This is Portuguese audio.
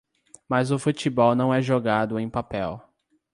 Mas o futebol não é jogado em papel.